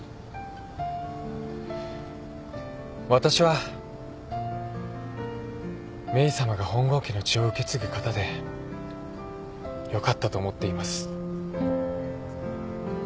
わたしはメイさまが本郷家の血を受け継ぐ方でよかったと思っています。